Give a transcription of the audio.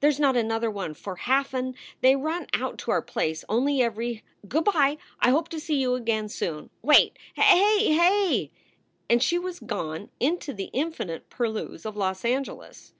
There snot another one for half an They run out to our place only every Good by. I hope to see you again soon. Wait! Hay! Hay!" And she was gone into the infinite purlieus of Los Angeles.